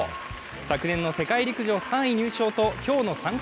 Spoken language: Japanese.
昨年の世界陸上３位入賞と今日の参加